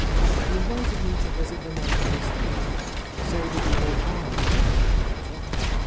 She in vited me to visit them on their estate, and so ^id the old man, when he came to get her.